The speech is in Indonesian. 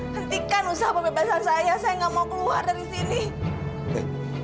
hentikan usaha pembebasan saya saya nggak mau keluar dari sini